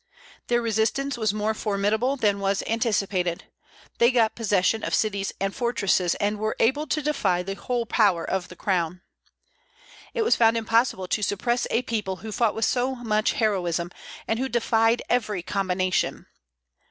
Their resistance was more formidable than was anticipated; they got possession of cities and fortresses, and were able to defy the whole power of the crown. It was found impossible to suppress a people who fought with so much heroism, and who defied every combination.